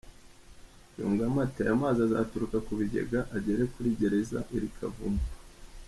Yungamo ati "Ayo mazi azaturuka ku bigega agere kuri gereza iri kavumu.